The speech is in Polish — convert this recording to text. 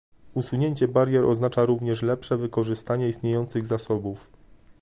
Usunięcie barier oznacza również lepsze wykorzystanie istniejących zasobów